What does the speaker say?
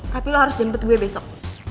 tapi lo harus jemput gue besok